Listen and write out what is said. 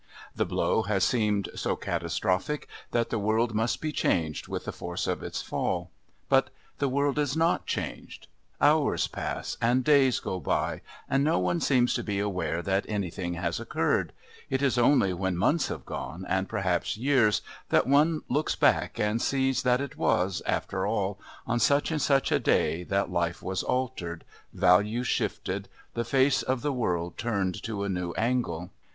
The blow has seemed so catastrophic that the world must be changed with the force of its fall but the world is not changed; hours pass and days go by, and no one seems to be aware that anything has occurred...it is only when months have gone, and perhaps years, that one looks back and sees that it was, after all, on such and such a day that life was altered, values shifted, the face of the world turned to a new angle.